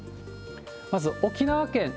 まず沖縄県。